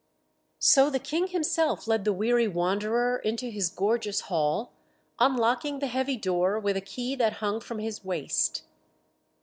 So the King himself led the weary wanderer into his gorgeous hall, unlocking the heavy door with the key that hung from his waist.